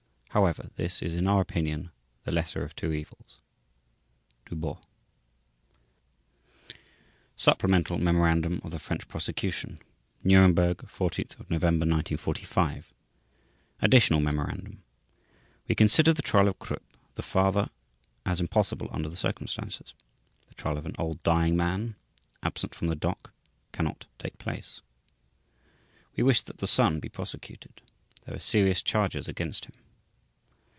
However, this is in our opinion the lesser of two evils. /s/ DUBOST SUPPLEMENTAL MEMORANDUM OF THE FRENCH PROSECUTION Nuremberg, 14 November 1945 ADDITIONAL MEMORANDUM We consider the trial of KRUPP, the father, as impossible under the circumstances. The trial of an old, dying man, absent from the dock, cannot take place. We wish that the son be prosecuted. There are serious charges against him.